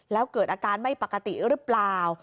แล้วเกิดอาการไม่ปกติหรือเปล่า